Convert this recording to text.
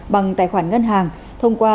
bằng tài khoản ngân hàng thông qua